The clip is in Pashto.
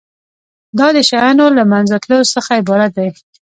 دا د شیانو له منځه تلو څخه عبارت دی.